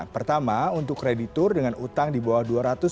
pertama untuk kreditur dengan utang di bawah dua ratus